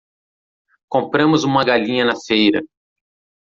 Compramos uma galinha na feira